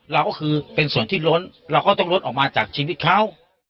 เราก็คือเป็นส่วนที่ล้นเราก็ต้องลดออกมาจากชีวิตเขา